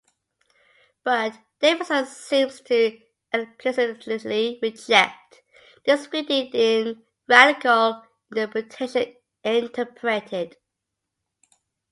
But Davidson seems to explicitly reject this reading in "Radical Interpretation Interpreted".